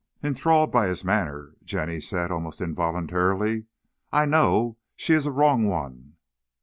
Enthralled by his manner, Jenny said, almost involuntarily, "I know she is a wrong one!"